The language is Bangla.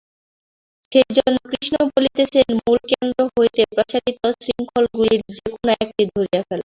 সেইজন্য কৃষ্ণ বলিতেছেন মূল কেন্দ্র হইতে প্রসারিত শৃঙ্খলগুলির যে-কোন একটি ধরিয়া ফেল।